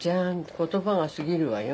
言葉が過ぎるわよ。